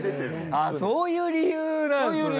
あぁそういう理由なんすね。